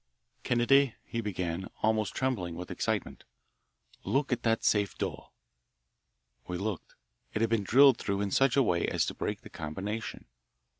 "Kennedy," he began, almost trembling with excitement, "look at that safe door." We looked. It had been drilled through in such a way as to break the combination.